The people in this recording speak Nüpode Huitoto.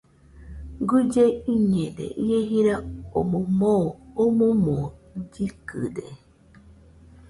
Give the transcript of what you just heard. Guille iñede, ie jira omoɨ moo omoɨmo llɨkɨde